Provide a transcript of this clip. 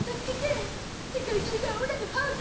世界中がオラの歯を狙ってる！